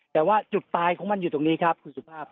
แต่ว่าจุดตายของมันอยู่ตรงนี้ครับคุณสุภาพ